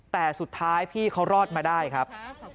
แต่สุดท้ายพี่เขารอดมาได้ครับ